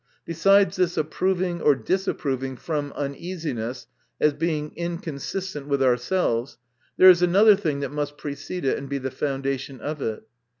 Besides this approving or disapproving from uneasiness as being inconsistent with ourselves, there is another thing that must precede it, and be the foundation of it.